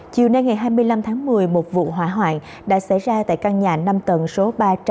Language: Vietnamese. chiều nay ngày hai mươi năm tháng một mươi một vụ hỏa hoạn đã xảy ra tại căn nhà năm tầng số ba trăm một mươi